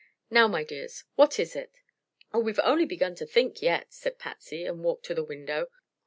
Now, my dears, what is it?" "Oh, we've only begun to think yet," said Patsy, and walked to the window.